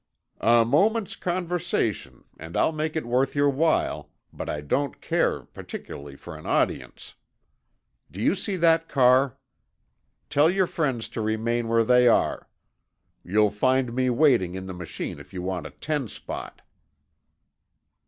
"A moment's conversation and I'll make it worth your while, but I don't care particularly for an audience. Do you see that car? Tell your friends to remain where they are. You'll find me waiting in the machine if you want a ten spot."